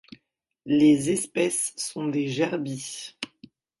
Les espèces sont des gerbilles.